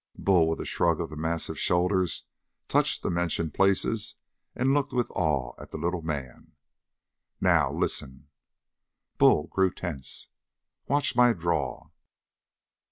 Bull, with a shrug of the massive shoulders, touched the mentioned places and looked with awe at the little man. "Now, listen!" Bull grew tense. "Watch my draw!"